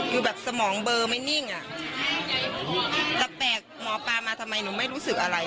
คือแบบสมองเบอร์ไม่นิ่งอ่ะแต่แปลกหมอปลามาทำไมหนูไม่รู้สึกอะไร